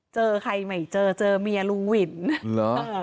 เจอใครไม่เจอเจอเมียลุงวินเหรอ